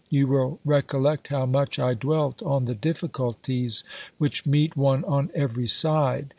You will recollect how much I dwelt on the difficulties which meet one on every side.